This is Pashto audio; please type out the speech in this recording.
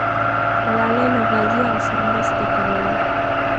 ملالۍ له غازیانو سره مرسته کوله.